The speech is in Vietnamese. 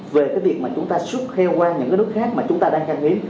về cái việc mà chúng ta xuất khéo qua những cái nước khác mà chúng ta đang kháng hiến